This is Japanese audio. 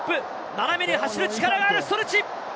斜めに走る力があるストルチ。